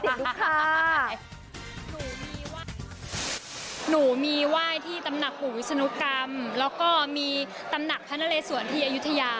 หนูมีว่ายหนูมีว่ายที่ตำหนักบุวิศนกรรมแล้วก็มีตำหนักพระนาเลสวรรค์ที่อยุธยา